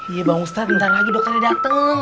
iya bang ustad ntar lagi dokternya dateng